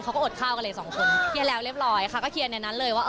เขาก็อดข้าวกันเลยสองคนเขียนแล้วเรียบร้อยเขาก็เขียนในนั้นเลยว่า